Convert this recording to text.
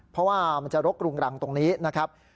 เพราะว่ามันจะรกรุงรังตรงนี้นะครับ